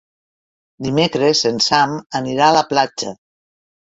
Dimecres en Sam anirà a la platja.